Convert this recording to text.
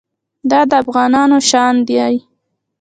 دا د افغانانو شان دی.